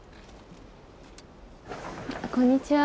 こんにちは。